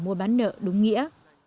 mua bán nợ đúng nghĩa